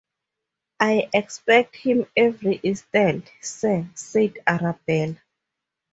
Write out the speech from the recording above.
‘I expect him every instant, sir,’ said Arabella.